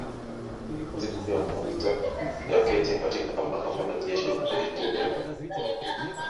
Siku ya kwanza ya kesi katika mahakama ya kijeshi huko Ituri